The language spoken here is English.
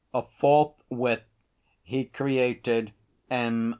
Forthwith he created M.